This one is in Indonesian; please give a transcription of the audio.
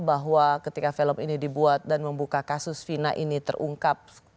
bahwa ketika film ini dibuat dan membuka kasus vina ini terungkap